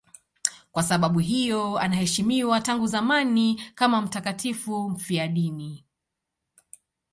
Kwa sababu hiyo anaheshimiwa tangu zamani kama mtakatifu mfiadini.